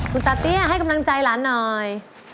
คุณตาเตี้ยให้กำลังใจหลานหน่อย